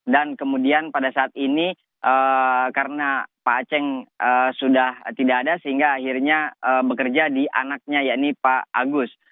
dan kemudian pada saat ini karena pak aceh sudah tidak ada sehingga akhirnya bekerja di anaknya yakni pak agus